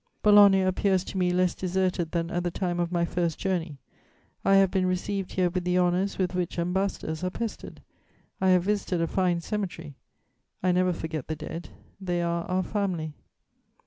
"Bologna appears to me less deserted than at the time of my first journey. I have been received here with the honours with which ambassadors are pestered. I have visited a fine cemetery: I never forget the dead; they are our family.